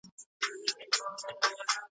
يا په دار لكه منصور يا به سنگسار وي .